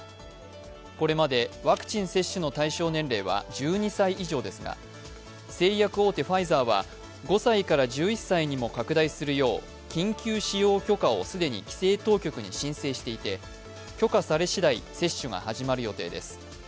これまでワクチン接種の対象年齢は１２歳以上ですが、製薬大手ファイザーは５歳から１１歳にも拡大するよう緊急使用許可を既に規制当局に申請していて許可されしだい、接種が始まる予定です。